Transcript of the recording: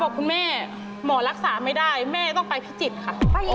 คุณแม่หมอรักษาไม่ได้แม่ต้องไปพิจิตรค่ะ